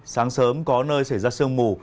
sáng sớm có nơi xảy ra sương mù